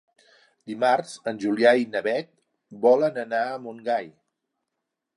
Dimarts en Julià i na Beth volen anar a Montgai.